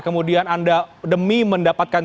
kemudian anda demi mendapatkan